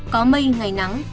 có mây ngày nắng